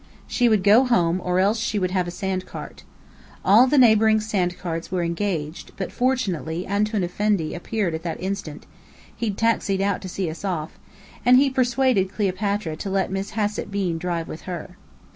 She would go home or else she would have a sandcart. All the neighbouring sandcarts were engaged; but fortunately "Antoun Effendi" appeared at that instant (he'd taxied out to see us off), and he persuaded Cleopatra to let Miss Hassett Bean drive with her.